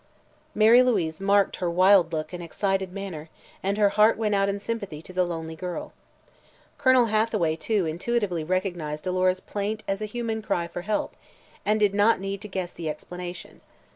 Mary Louise marked her wild look and excited manner and her heart went out in sympathy to the lonely girl. Colonel Hathaway, too, intuitively recognized Alora's plaint as a human cry for help, and did not need to guess the explanation.